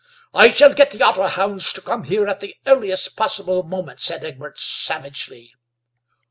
"I shall get the otter hounds to come here at the earliest possible moment," said Egbert savagely.